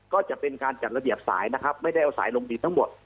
ก็จะเป็นการจัดระเบียบสายนะครับไม่ได้เอาสายลงดินทั้งหมด